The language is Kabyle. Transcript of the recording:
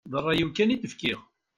D ṛṛay-iw kan i d-fkiɣ.